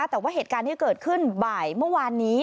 แต่ว่าเหตุการณ์ที่เกิดขึ้นบ่ายเมื่อวานนี้